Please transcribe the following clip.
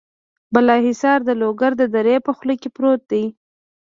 بالا حصار د لوګر د درې په خوله کې پروت دی.